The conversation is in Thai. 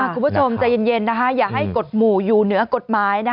คุณผู้ชมใจเย็นอย่าให้กฎหมู่อยู่เหนือกฎหมาย